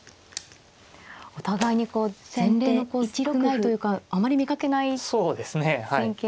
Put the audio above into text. お互いにこう前例の少ないというかあまり見かけない戦型で。